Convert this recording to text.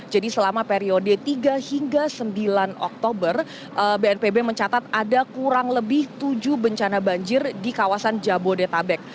jadi selama periode tiga hingga sembilan oktober bnpb mencatat ada kurang lebih tujuh bencana banjir di kawasan jabodetabek